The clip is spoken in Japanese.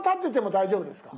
大丈夫です。